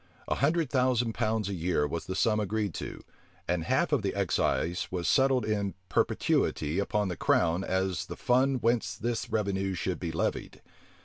A hundred thousand pounds a year was the sum agreed to; and half of the excise was settled in perpetuity upon the crown as the fund whence this revenue should be levied.